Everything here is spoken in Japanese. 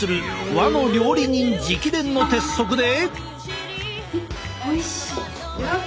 和の料理人直伝の鉄則で。